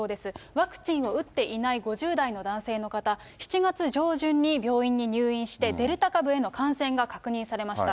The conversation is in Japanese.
ワクチンを打っていない５０代の男性の方、７月上旬に病院に入院して、デルタ株への感染が確認されました。